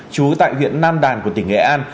chú tại huyện nam đàn của tỉnh nghệ an